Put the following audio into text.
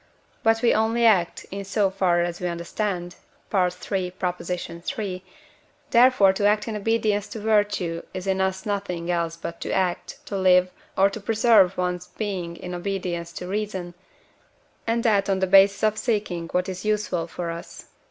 But we only act, in so far as we understand (III. iii.): therefore to act in obedience to virtue is in us nothing else but to act, to live, or to preserve one's being in obedience to reason, and that on the basis of seeking what is useful for us (IV.